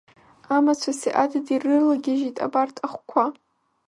Амацәыси адыди рылагьыжьит абарҭ ахәқәа.